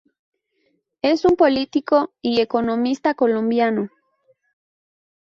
Es un político y economista colombiano.